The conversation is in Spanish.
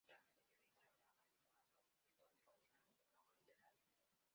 Actualmente vive y trabaja en Ecuador en donde continua su trabajo literario.